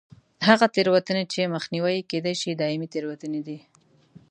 هغه تېروتنې چې مخنیوی یې کېدای شي دایمي تېروتنې دي.